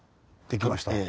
できました。